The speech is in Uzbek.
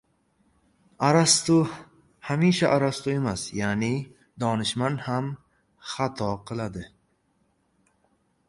Arastu – hamisha Arastu emas ya’ni, donishmand ham xato qiladi.